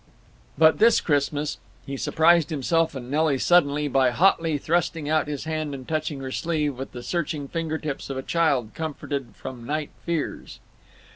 But this Christmas—he surprised himself and Nelly suddenly by hotly thrusting out his hand and touching her sleeve with the searching finger tips of a child comforted from night fears.